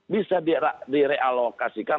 bisa di realokasikan